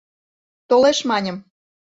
Толеш, маньым.